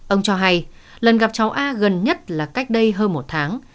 ông cho hay lần gặp cháu a gần nhất là cách đây hơn một tháng